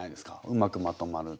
うまくまとまる。